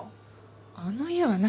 あの家は何？